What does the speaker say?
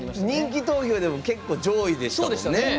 人気投票でも結構上位でしたよね。